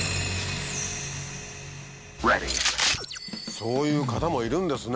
そういう方もいるんですね。